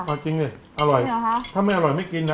เออจริงดิอร่อยถ้าไม่อร่อยไม่กินนะ